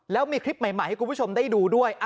แล้วมีคลิปใหม่ให้คุณผู้ชมได้ดูด้วย